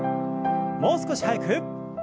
もう少し速く。